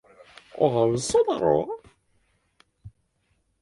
嘘だろ？